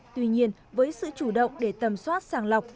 tuy nhiên với sự chủ động để tầm soát sàng lọc